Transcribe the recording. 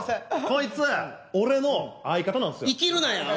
こいつ俺の相方なんすよ。